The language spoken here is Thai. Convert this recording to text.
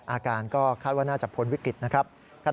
อาการก็คาดว่าน่าจะพ้นวิกฤตนะครับ